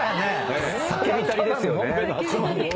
酒浸りですよねホント。